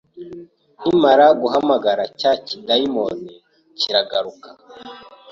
nkimara guhamagara cya kidayimoni kiragaruka